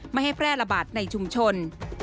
ไม่ให้แพร่ระบาดในชุมชน